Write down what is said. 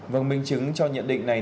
vâng minh chứng cho nhận định này